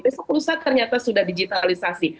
besok pusat ternyata sudah digitalisasi